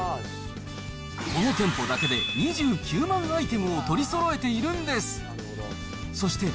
この店舗だけで２９万アイテムを取りそろえているんです。